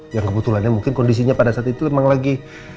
yang kebetulannya mungkin kondisinya pada saat itu memang lagi